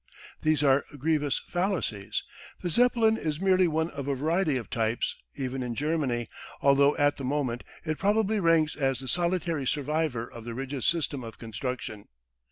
These are grievous fallacies. The Zeppelin is merely one of a variety of types, even in Germany, although at the moment it probably ranks as the solitary survivor of the rigid system of construction.